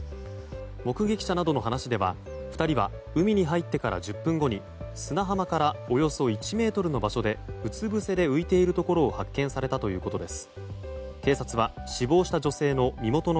目撃者などの話では２人は海に入ってから１０分後に砂浜からおよそ１ｍの場所でうつ伏せで浮いているところを発見されたということです。